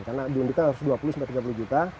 karena indukan harus dua puluh sampai tiga puluh juta